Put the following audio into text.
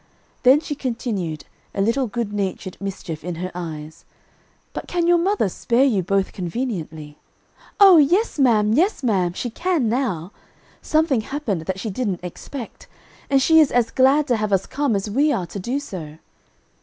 Then she continued, a little good natured mischief in her eyes, "But can your mother spare you both conveniently?" "Oh, yes, ma'am, yes ma'am, she can now. Something happened that she didn't expect, and she is as glad to have us come as we are to do so."